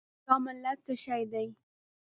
ستا ملت څه شی دی؟